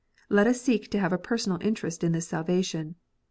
Let us seek to have a personal interest in this salvation.